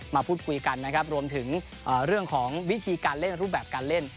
มาพูดคุยกันนะครับรวมถึงเรื่องของวิธีการเล่นรูปแบบการเล่น